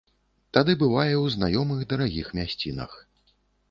Тады бывае ў знаёмых дарагіх мясцінах.